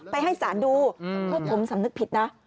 ให้สารดูพวกผมสำนึกผิดนะ